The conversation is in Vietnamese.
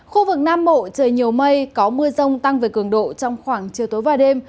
khu vực nam bộ trời nhiều mây có mưa rông tăng về cường độ trong khoảng chiều tối và đêm